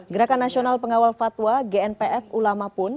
gerakan nasional pengawal fatwa gnpf ulama pun